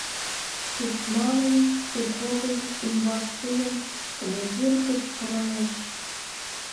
— Тушманын пехотыж ӱмбак тулым! — командир кычкыралеш.